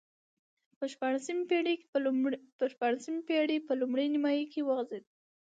په شپاړسمې پېړۍ په لومړۍ نییمایي کې وغځېد.